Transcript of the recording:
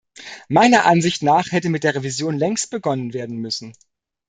Meiner Ansicht nach hätte mit der Revision längst begonnen werden müssen.